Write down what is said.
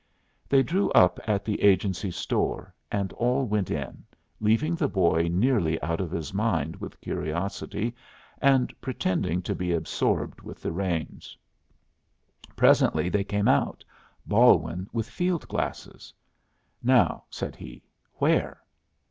They drew up at the agency store, and all went in, leaving the boy nearly out of his mind with curiosity, and pretending to be absorbed with the reins. Presently they came out, Balwin with field glasses. "Now," said he, "where?"